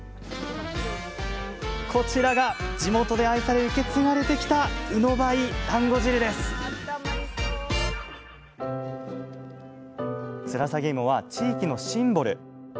こちらが地元で愛され受け継がれてきたつらさげ芋は地域のシンボル。